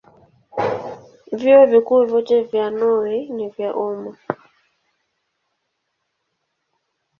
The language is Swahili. Vyuo Vikuu vyote vya Norwei ni vya umma.